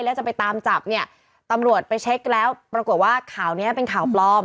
แล้วจะไปตามจับเนี่ยตำรวจไปเช็คแล้วปรากฏว่าข่าวเนี้ยเป็นข่าวปลอม